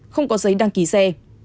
không có giấy đăng ký xe